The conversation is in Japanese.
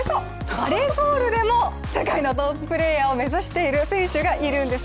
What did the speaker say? バレーボールでも、世界のトッププレーヤーを目指している選手がいるんです。